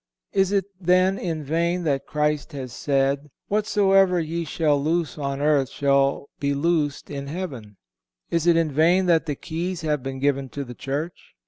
Is it, then, in vain that Christ has said: 'Whatsoever ye shall loose on earth shall be loosed in heaven'? Is it in vain that the keys have been given to the Church?"